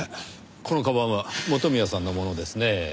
この鞄は元宮さんのものですねぇ。